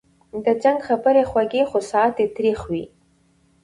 د جنګ خبري خوږې خو ساعت یې تریخ وي